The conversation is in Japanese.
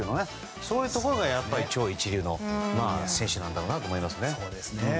そういうところが超一流の選手なんだろうなと思いますね。